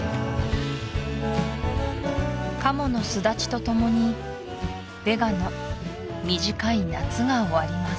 カモの巣立ちとともにヴェガの短い夏が終わります